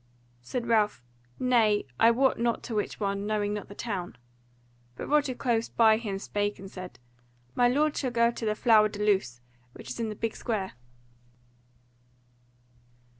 Said Ralph, "Nay, I wot not to which one, knowing not the town." But Roger close by him spake and said: "My lord shall go to the Flower de Luce, which is in the big square."